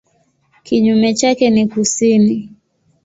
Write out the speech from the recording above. Kinyume chake ni kusini.